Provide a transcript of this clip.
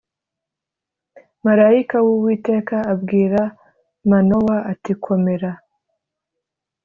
marayika w uwiteka abwira manowa ati komera